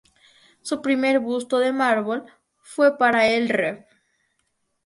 Su primer busto de mármol fue para el Rev.